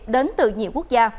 đến từ nhiều quốc gia